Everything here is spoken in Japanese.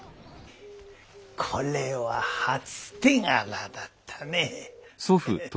これは初手柄だったね。